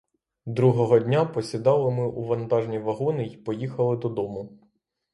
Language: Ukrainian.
Другого дня посідали ми у вантажні вагони й поїхали додому.